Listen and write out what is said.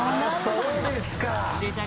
そうですか。